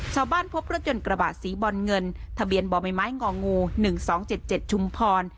พบรถยนต์กระบะสีบอลเงินทะเบียนบ่อใบไม้งองู๑๒๗๗ชุมพร